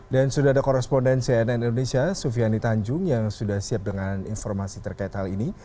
dan sudah ada korespondensi ann indonesia sufiani tanjung yang sudah siap dengan informasi terkait hal ini